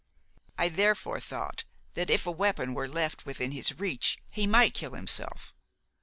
I therefore thought that if a weapon were left within his reach he might kill himself.